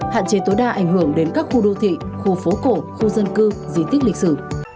hạn chế tối đa ảnh hưởng đến các khu đô thị khu phố cổ khu dân cư di tích lịch sử